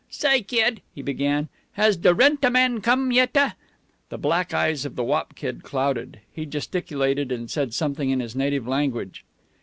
"Say, kid," he began, "has da rent a man come yet a?" The black eyes of the wop kid clouded. He gesticulated, and said something in his native language.